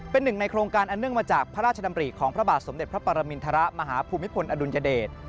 เป็นหนึ่งในโครงการอันเนื่องมาจากพระราชดำริของพระบาทสมเด็จพระปรมินทรมาฮภูมิพลอดุลยเดช